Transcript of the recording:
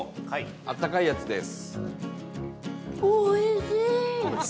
あったかいやつです。